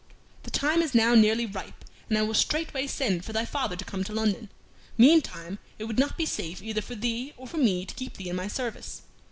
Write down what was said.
The time is now nearly ripe, and I will straightway send for thy father to come to London. Meantime it would not be safe either for thee or for me to keep thee in my service.